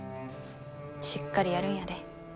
しっかりやるんやで。